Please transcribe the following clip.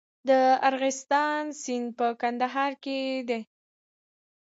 د ارغستان سیند په کندهار کې دی